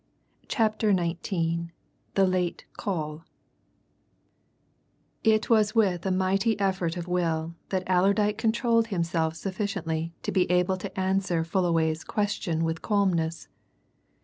CHAPTER XIX THE LATE CALL It was with a mighty effort of will that Allerdyke controlled himself sufficiently to be able to answer Fullaway's question with calmness.